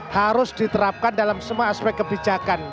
harus diterapkan dalam semua aspek kebijakan